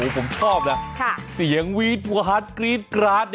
ผมชอบน่ะค่ะเสียงหวานเกรี๊สกราศน์